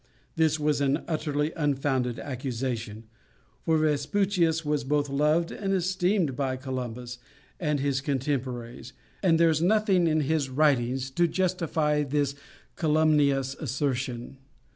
This was an utterly unfounded accusation, for Vespucius was both loved and esteemed by Columbus and his contemporaries, and there is nothing in his writings to justify this calumnious assertion.